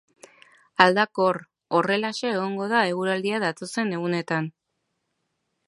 Aldakor, horrelaxe egongo da eguraldia datozen egunetan.